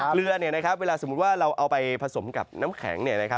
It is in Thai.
เกลือเวลาสมมุติว่าเราเอาไปผสมกับน้ำแข็ง